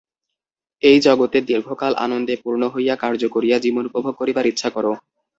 এই জগতে দীর্ঘকাল আনন্দে পূর্ণ হইয়া কার্য করিয়া জীবন উপভোগ করিবার ইচ্ছা কর।